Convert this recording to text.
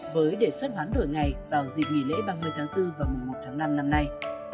với đề xuất hoán đổi ngày vào dịp nghỉ lễ ba mươi tháng bốn và mùa một tháng năm năm nay